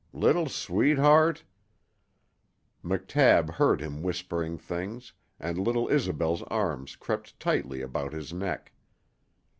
Little sweetheart " McTabb heard him whispering things, and little Isobel's arms crept tightly about his neck.